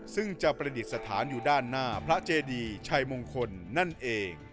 ซึ่งจะประดิษฐานอยู่ด้านหน้าพระเจดีชัยมงคลนั่นเอง